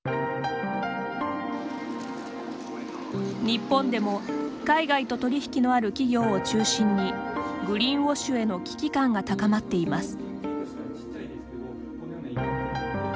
日本でも海外と取り引きのある企業を中心にグリーンウォッシュへの危機感が高まっています。